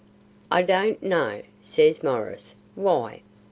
"I don't know," says Maurice. "Why?"